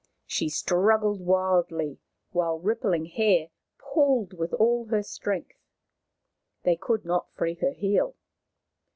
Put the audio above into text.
She struggled wildly, while Rippling Hair pulled with all her strength. They could not free her heel.